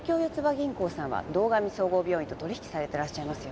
銀行さんは堂上総合病院と取引されてらっしゃいますよね？